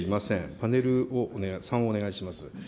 パネルを、３をお願いします。